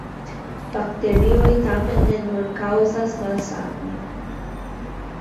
Bakterioj tamen ne nur kaŭzas malsanojn.